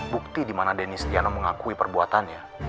bukti dimana denny stiano mengakui perbuatannya